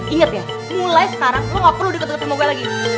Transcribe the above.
ingat ya mulai sekarang lo gak perlu deket deketin mobil gue lagi